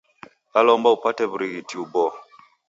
Dalomba upate w'urighiti uboo.